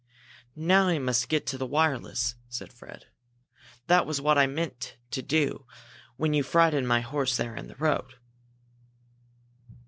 "Now I must get to the wireless," said Fred. "That was what I meant to do when you frightened my horse there in the road."